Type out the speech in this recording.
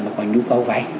mà còn nhu cầu vay